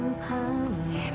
aku butuh waktu sendiri